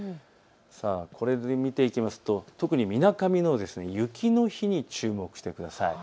これで見ていきますと特にみなかみの雪の日に注目してください。